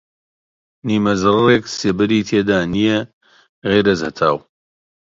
نیمە زەڕڕێک سێبەری تێدا نییە غەیرەز هەتاو